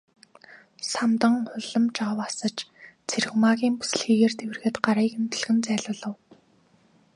Самдан улам ч ов асаж Цэрэгмаагийн бүсэлхийгээр тэврэхэд гарыг нь түлхэн зайлуулав.